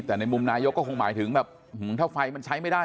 แต่ในมุมนายกก็คงหมายถึงแบบถ้าไฟมันใช้ไม่ได้